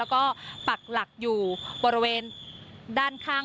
แล้วก็ปักหลักอยู่บริเวณ